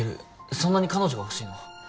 そんなに彼女がほしいの？